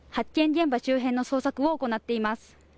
現場周辺の捜索を行っています